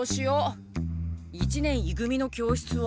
一年い組の教室は。